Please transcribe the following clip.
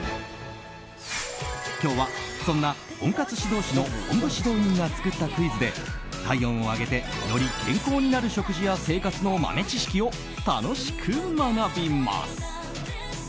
今日はそんな温活指導士の本部指導員が作ったクイズで、体温を上げてより健康になる食事や生活の豆知識を楽しく学びます。